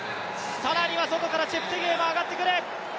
更には外からチェプテゲイも上がってくる。